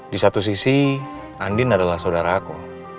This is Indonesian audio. di satu sisi andien adalah saudara aku